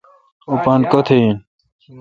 اوں پان کتھ آین؟